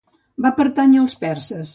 Va pertànyer als perses.